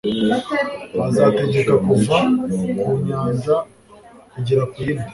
azategeka kuva ku nyanja kugera ku yindi